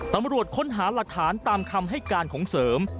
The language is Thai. ตำรวจค้นหาหลักฐานตามคำให้การของเสริม